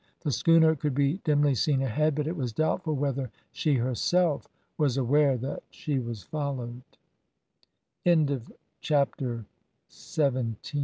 The schooner could be dimly seen ahead, but it was doubtful whether she herself was aware that she was followed. CHAPTER EIGHTEEN.